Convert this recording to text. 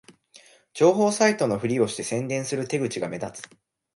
情報サイトのふりをして宣伝する手口が目立つ